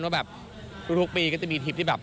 ว่าแบบทุกปีก็จะมีทริปที่แบบ